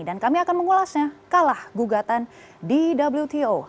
dan kami akan mengulasnya kalah gugatan di wto